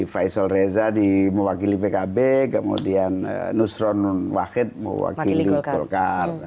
faisal reza di mewakili pkb kemudian nusron wahid mewakili golkar